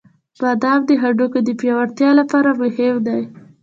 • بادام د هډوکو د پیاوړتیا لپاره مهم دی.